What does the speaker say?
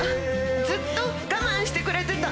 ずっと我慢してくれてた。